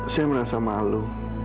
saya merasa malu